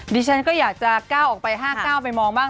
ดิฉันก็อยากจะก้าวออกไป๕๙ไปมองบ้าง